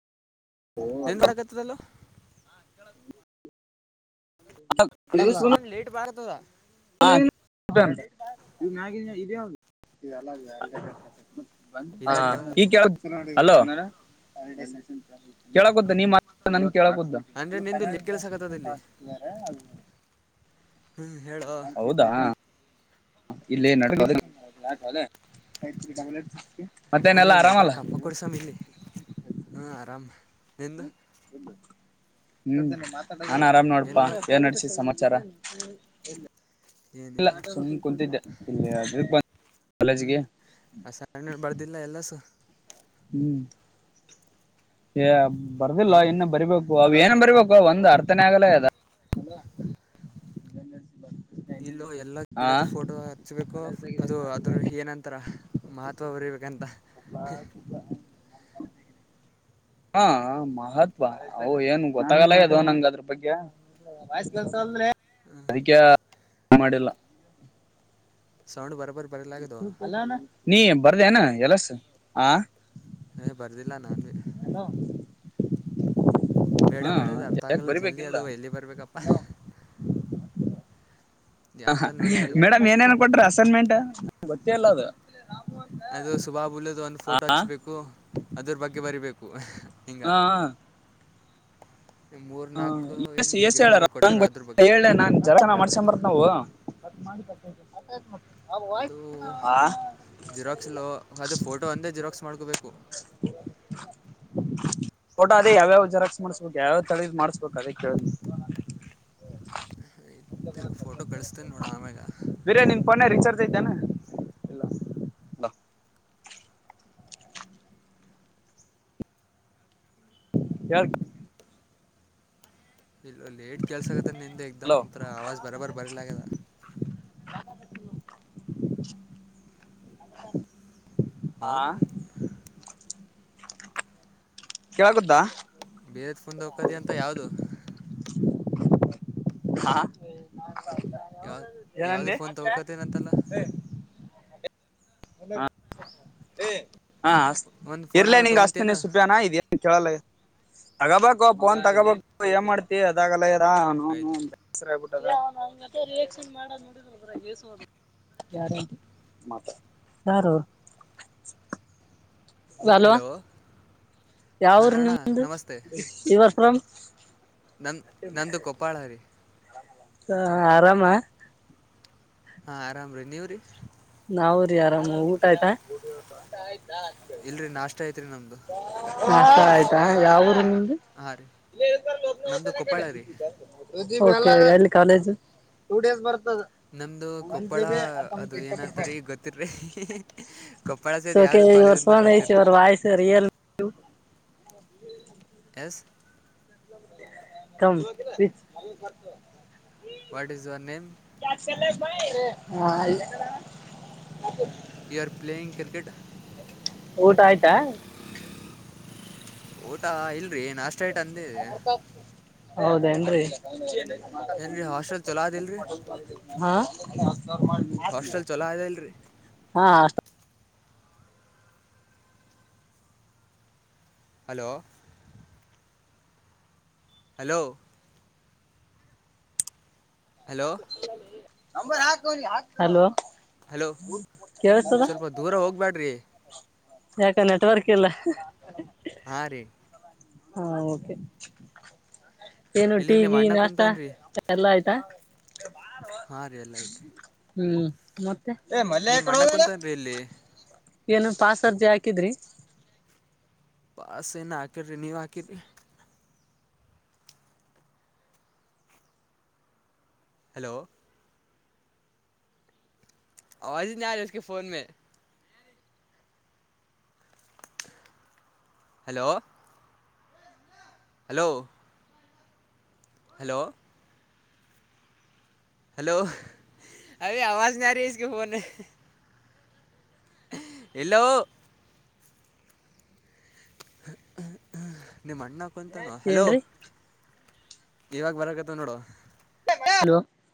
ಏನ್ ಮಾಡಕತಿದ್ದ ಅಲ್ಲಿ. [inaudible] ನಿಂದು ಸೌಂಡ್ ಲೇಟ್ ಬರ್ತದ. [unintelligible] ಇಲ್ಲ ಹಾ ಕೇಳ ಈಗ [unintelligible] ಕೇಳಕುದ್ದ ನೀ [unintelligible] ನನ್ ಕೇಳಕುದ್ದ ಅಂದ್ರೆ ನಿಂದು ಲೇಟ್ ಕೆಲಸಕತ್ತದ ಇಲ್ಲಿ [unintelligible] ಹ್ಮ್ ಹೇಳ. ಹೌದಾ ಇಲ್ಲಿ ನನಗ [unintelligible] ಇಲ್ಲಿ ನೆಟ್ವರ್ಕ್ ಹಪ ಕೊಡಸಮ ಇಲ್ಲಿ ಹ ಆರಾಮ ನಿಂದು. ಹ ನಾನ ಆರಾಮ್ ನೋಡಪ್ಪಾ ಏನ್ ನಡ್ಸ ಸಮಾಚಾರ. ಲ್ಲ ಏನಿಲ್ಲ ಸುಮ್ ಕುಂತಿದ್ದ ಇಲ್ಲಿ [unintelligible] ಕಾಲೇಜ್ಗೆ. ಆ ಸಣ್ಣ ಬರ್ದಿಲ್ಲ ಎಲ್ಲಸ್ಸು. ಹ್ಮ್. [inaudible] ಏ ಬರ್ದಿಲ್ಲ ಹಾ ಇನ್ನ ಬರಿಬೇಕು ಅವ ಏನ ಬರಿಬೇಕ. ಒಂದು್ ಅರ್ಥನೆ ಆಗಲ್ಲ ಅದ ಇಲ್ಲೋ ಎಲ್ಲ ಆ ಗಿಡದ ಫೋಟೋ ಹಚ್ಬೇಕು ಅದು ಅದ್ರ ಏನಂತರ ಮಹತ್ವ ಬರಿೀಬೇಕಂತ ಮಾಡ ತ [inaudible] ಹಾ ಮಹತ್ವ ಅ ಏನ್ ಗೊತ್ತಾಗಲ್ಲ ಅದುೋ ನಂಗ ಅದ್ರ ಬಗ್ಗೆ ವಯಸ್ಸ ಕೆಲ್ಸ ಅ್ರೆ ಅದಕ್ಕೆ ಮಾಡಿಲ್ಲ ಸೌಂಡ್ ಬರಬರ್ ನೀ ಬರ್ದೇನ ಎಲಸ ಹ ಹ ಬರ್ದಿಲ್ಲ ನಾನನ್ ಹಲೋ ಮೇಡಮ ಹೇಳದು್ ಅರ್ಥ ಆಗಲ್ಲ ಜಲ್ದ ಅದು ಎಲ್ಲಿ ಬರ್ಬೇಕಪ್ಪಾ ಹ ಯಾರ್ತಾನ ನೋಡಿ ಬರಬೇಕು ಮೇಡಮ್ ಏನೇನ್ ಕೊಟ್ರ ಸನ್ಮೆಂಟ್ ಗತ್ತೆ ಎಲ್ಲ ಅ ಅದು ಸುಬಾಬುಲದು ಒಂದು ಫೋಟೋ ಆ ಹಚ್ಬೇಕು ಅದ್ರ ಬಗ್ಗೆ ಬರಿಬೇಕು ಹಿಂಗೆ ಹಾ ಮೂರು ಹ ನಾಲ್ಕು ಎಸ್ ಏನು ಎಸ್ ಹೇಳಾರ ಗಿಡಗಳು ಕೊಟ್ಟಾರ ನಗೆ ಅದ್ರ ಬಗ್ಗೆ ಹೇಳ ನಾ ಜತನ ಮಾಡಸೊಂಡ್ ಬರತ್ ನಾವು ಅದು ಆ ಜಿರಾಕ್ಸ್ಲು ಅದು ಫೋಟೋ ಅಂದೇ ಜಿರಾಕ್ಸ್ ಮಾಡ್ಕೋಬೇಕು ಫೋಟೋ ಅದ್ಯಾವ ಜರಾ ಮಾಡಸ್ಬೇಕು ಯಾವ್ ತಡೆದ್ ಮಾಡ್ಸ್ಬೇಕು ಅದೇ ಕೇಳ ಆಯ್ತ್ ಫೋಟೋ ಕಳಸ್ತೇನೆ ನೋಡ ಆಮ್ಯಾಗ ಬೇರೆ ನಿ ಪಣನೆ ರಿಚಾರ್ಜ್ ಇದ್ದಾನಾ ಯಳ್ ಇಲ್ಲ ಲೇಟ್ ಕೇಲ್ಸಗತ್ತ ಹಲೋ ನಿಂದುಕ್ಗ್ತ್ರ ಆವಾಜ್ ಬರಾಬರ್ ಬರಲ ಆದ ಆ ಹೌ ಕೇಳಕುದಾ ಬೇರೆದ್ಫುಂದ್ ಹೋಗಕದಿ ಅಂತ ಯಾವ್ದದು ಹಾ ಯಾವ ಯಾವುದು ಏನಂದಿ ಫೋನ್ ತಗೋಕತ್ತೇನಂತಲ್ಲ ಹ ಒಂದು ಫೋನ್ ಇರ್ಲ ಅದ ನಿಂಗ ಅಸ್ತನಿ ತೊಗೊಂತೇನು ಸುಪ್ಯಾನ ಇದ ಕೇಳಲ್ಲ ತಗೋಬೇಕು ಫೋನ್ ಹಾಂ ತಗೋಬೇಕು ಏನ್ ಮಾಡ್ತಿ ಅದಾಗಲ್ಲ ಇರಾ ನೋನು ಆಯ್ತು ಅಂತ ರಿಯಾಕ್ಷನ್ ಮಾಡದ ನಡಿದಲ್ರ ಗೇಸು ಯಾರ ಮಾತ್ರ ಯಾರು ಹಲೋ ಹಾಂ ಯಾವ್ರ ಅಣ್ಣ ನಿಮ್ದು ನಮಸ್ತೆ ಯುವರ್ ಫ್ರಂ ನನ್ನ ನಂದು ಕೊಪ್ಪಾಳರಿೀ ಹ ಆರಾಮ ಹಾ ಆರಾಮ್ರೀ ನೀವ್ರಿ ನಾವ್ರರಿ ಆರಾಮ ಊಟ ಆಯ್ತಾ ಇಲ್ರರಿ ನಾಷ್ಟ ಐತ್ರಿ ನಮ್ದು ನಾಷ್ಟ ಆಯ್ತಾ ಯಾವಊರು ನಿಮ್ದು ನಮ್ದು ಕೊಪ್ಪಾಳರಿ ಓಕೆ ಎಲ್ಲಿ ಕಾಲೇಜ್ ಟು ಡೇಸ್ ಬರ್ತ ನಮ್ದು ಕೊಪ್ಪಳ ಅದು ಏನಂತಾರ ಈಗ ಗೊತ್ತಿಲ್ರಿ ಕೊಪ್ಪಾಳ ಸೇದ್ ಯಾವ್ದು ಕಾಲೇಜ್ ಅಂತ ಗೊತ್ತಿರಿ ಸರಿಯಲ್ಲ. ಎಸ್ ಹ [unintelligible] [unintelligible] what is your name [unintelligible] PR playing cricket ಊಟ ಆಯ್ತಾ ಅ ಇಲ್ರೀ ನಾಷ್ಟ ಆಯ್ತಾ ಅಂತೀವಿ ಹ ಹೌದೇನ್ರೀ ಏನ್ರೀ ಹಾಸ್ಟೆಲ್ ಚೊಲೋ ಅದಲ್ರಿ ಹಾ ಮಾಡ್ತೀನಿ ಅಷ್ಟೊಂದ್ ಚಲೋ ಐತೆ ಅಲ್ರಿ ಹಾ ಅಷ್ಟ ಹಲೋ ಹಲೋ ಹಲೋ ನಂಬರ್ ಹಾಕ ಅವ್ನಿಗೆ ಹಲೋ ಹಲೋ ಕೇಳಸ್ತದ ಸ್ವಲ್ಪ ದೂರ ಹೋಗಬೇಡಿ ಯಾಕ ನೆಟ್ವರ್ಕ್ ಇಲ್ಲ ಹಾ ರೀ ಹೌದು ಓಕೆ ಏನು ಇಲ್ಲಿ ನಿಮ್ಮ ಅಣ್ಣ ಟಿಗಿನಷ್ಟ ಕುಂತಾನೆ ಎಲ್ಲ ಆಯ್ತಾ ಹಾ ರೀ ಎಲ್ಲ ಆಯ್ತರಿ ಹ್ಮ್ ಮತ್ತೆ ಏ ಮಲ್ಲಯ ಯಕಡೆ ಹೋದ್ನ ಲೆ ಎಲ್ಲಿಲೆ ಏನು ಪಾಸ ಅರ್ಜಿ ಹಾಕಿದ್ರಿ ಪಾಸ್ ಏನು ಹಾಕಿಲ್ಲ ನೀವು ಹಾಕಿರಿ ಹಲೋ ಅವಾಜ್ ನಯ್ಯ ರಹಿಸ್ ಇಸ್ಟೆ phone hello hello hello hello ಅವಾಜ್ ನಹಿ ಅರಗಿ ಇಸ್ಕೊ ಫೋನ್ ಎಲೋ ನೀಮ್ಮ ಅಣ್ಣಕ ಅಂತಾನೋ ಹಲೋ ಏನ್ರೀ ಇವಾಗ ಬರಕತ್ತನ ನೋಡು ಹಲೊ